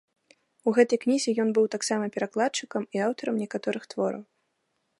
У гэтай кнізе ён быў таксама перакладчыкам і аўтарам некаторых твораў.